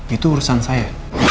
itu urusan saya